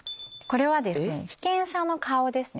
これはですね被験者の顔ですね。